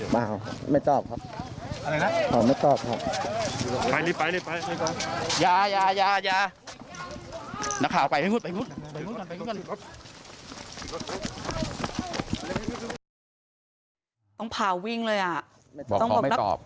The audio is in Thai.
บอกเขาไม่ตอบ